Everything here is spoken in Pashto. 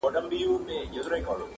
زما د نصیب جامونه څرنګه نسکور پاته دي!